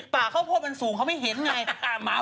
ป่าเข้าโพธิ์มันสูงเขาไม่เห็นไง